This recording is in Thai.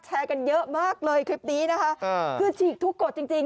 กันเยอะมากเลยคลิปนี้นะคะคือฉีกทุกกฎจริงจริง